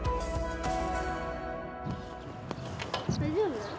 大丈夫？